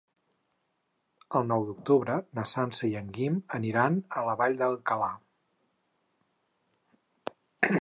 El nou d'octubre na Sança i en Guim aniran a la Vall d'Alcalà.